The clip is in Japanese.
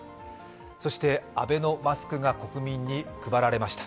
そしてアベノマスクが国民に配られました。